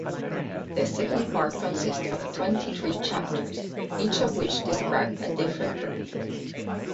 The second part conists of twenty-three chapters, each of which describe a different bird.